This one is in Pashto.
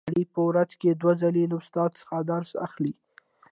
علي په ورځ کې دوه ځلې له استاد څخه درس اخلي.